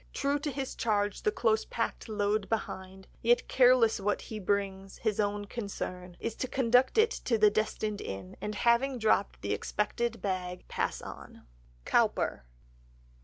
True to his charge the close packed load behind, Yet careless what he brings, his own concern Is to conduct it to the destined inn, And having dropped the expected bag—pass on." (COWPER.)